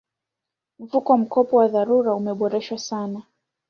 mfuko wa mkopo wa dharura umeboreshwa sana